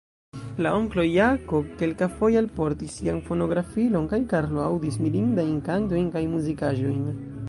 La onklo Jako kelkafoje alportis sian fonografilon, kaj Karlo aŭdis mirindajn kantojn kaj muzikaĵojn.